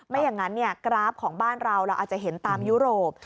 ไม่อย่างนั้นกราฟของบ้านเราเราอาจจะเห็นตามยุโรป